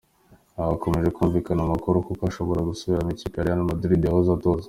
Ariko hakomeje kumvikana amakuru yuko ashobora gusubira mu ikipe ya Real Madrid yahoze atoza.